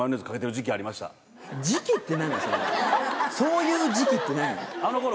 そういう時期って何？